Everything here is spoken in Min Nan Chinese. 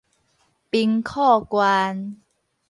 兵庫縣